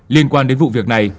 liên quan đến vụ việc này